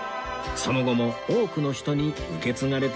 その後も多くの人に受け継がれてきました